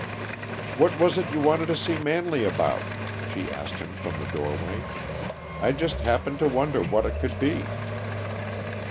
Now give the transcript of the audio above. "What was it you wanted to see Manley about?" she asked him from the doorway. "I just happened to wonder what it could be."